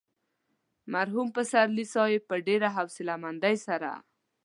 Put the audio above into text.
مرحوم پسرلي صاحب په ډېره حوصله مندۍ سره.